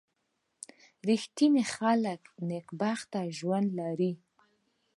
• رښتیني خلک د نېکبختۍ ژوند لري.